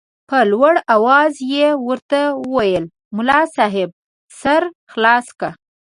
په لوړ اواز یې ورته وویل ملا صاحب سر خلاص که.